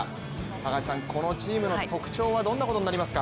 高橋さん、このチームの特徴はどんなことになりますか？